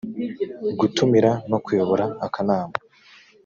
gutumira no kuyobora akanama